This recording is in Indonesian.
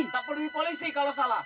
tak peduli polisi kalau salah